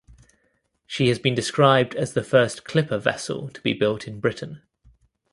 She has been described as the first clipper vessel to be built in Britain.